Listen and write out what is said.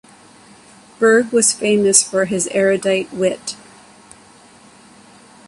Burg was famous for his erudite wit.